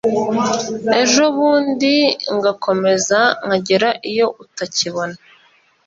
Ejobundi ngakomezaNkagera iyo utakibona,